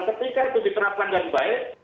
ketika itu diterapkan dengan baik